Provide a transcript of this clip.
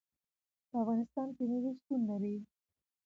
په افغانستان کې مېوې شتون لري.